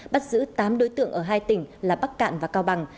bắt giữ tám đối tượng ở hai tỉnh là bắc cạn và cao bằng